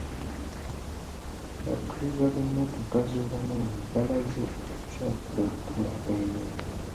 Baddereeva b’emmotoka z'obwannannyini balaze okutya ku nkola eno.